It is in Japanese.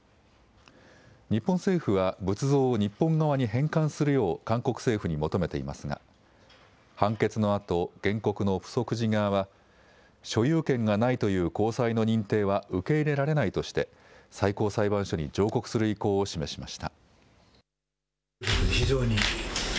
日本政府は仏像を日本側に返還するよう韓国政府に求めていますが判決のあと原告のプソク寺側は所有権がないという高裁の認定は受け入れられないとして最高裁判所に上告する意向を示しました。